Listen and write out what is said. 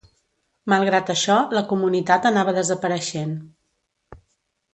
Malgrat això la comunitat anava desapareixent.